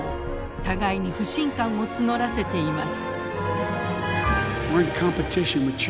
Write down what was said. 互いに不信感を募らせています。